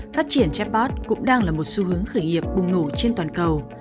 phát triển chatbot cũng đang là một xu hướng khởi nghiệp bùng nổ trên toàn cầu